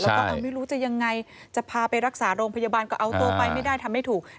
แล้วก็ไม่รู้จะยังไงจะพาไปรักษาโรงพยาบาลก็เอาตัวไปไม่ได้ทำไม่ถูก